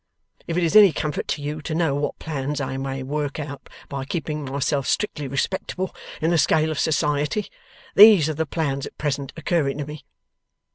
If it is any comfort to you to know what plans I may work out by keeping myself strictly respectable in the scale of society, these are the plans at present occurring to me.